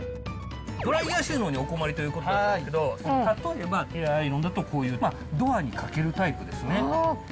ドライヤー収納にお困りということだったんですけど、例えばヘアアイロンだとこういうドアにかけるタイプですね。